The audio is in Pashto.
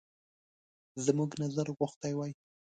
زموږ نظر غوښتی وای.